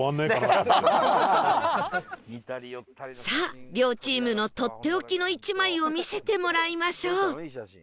さあ両チームのとっておきの１枚を見せてもらいましょう